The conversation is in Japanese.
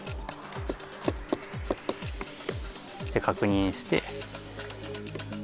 で確認して。